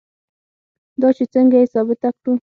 دا چې څنګه یې ثابته کړو.